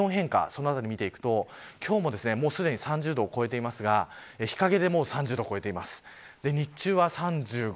東京の気温変化を見ていくと今日もすでに３０度を超えていますが日陰でもう３０度を超えています。